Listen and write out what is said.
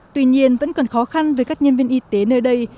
tuy nhiên vẫn còn khó khăn với các nhân viên y tế nơi đây